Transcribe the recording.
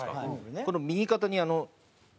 この右肩にあの。